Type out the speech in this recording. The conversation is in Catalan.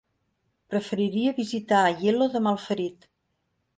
Preferiria visitar Aielo de Malferit.